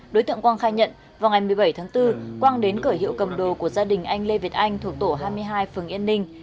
đối tượng quang khai nhận vào ngày một mươi bảy tháng bốn quang đến cửa hiệu cầm đồ của gia đình anh lê việt anh thuộc tổ hai mươi hai phường yên ninh